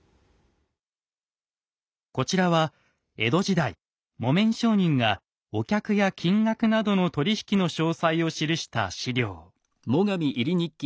こちらは江戸時代木綿商人がお客や金額などの取り引きの詳細を記した史料。